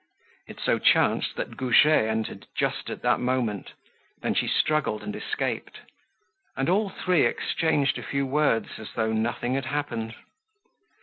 It so chanced that Goujet entered just at that moment. Then she struggled and escaped. And all three exchanged a few words, as though nothing had happened.